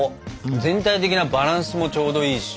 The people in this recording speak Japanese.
全体的なバランスもちょうどいいし。